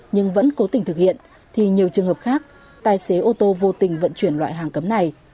nhưng vẫn cố tình thực hiện thì nhiều trường hợp khác tài xế ô tô vô tình vận chuyển loại hàng cấm này